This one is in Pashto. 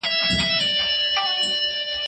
څوک د اوبو د عادلانه وېش مسوولیت پر غاړه لري؟